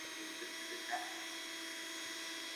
আমি বললাম, হ্যাঁ।